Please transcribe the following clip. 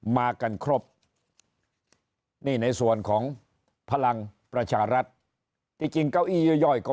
มากันครบนี่ในส่วนของพลังประชารัฐที่จริงเก้าอี้ย่อยก็